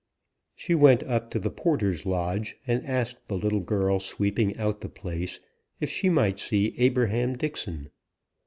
She went up to the porter's lodge, and asked the little girl sweeping out the place if she might see Abraham Dixon.